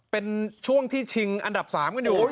เป็นช่วงที่ชิงอันดับ๓กันอยู่